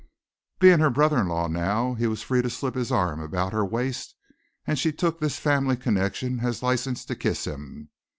Being her brother in law now, he was free to slip his arm about her waist and she took this family connection as license to kiss him.